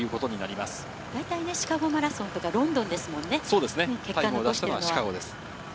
シカゴマラソンとかロンドンですもんね、結果を残しているのは。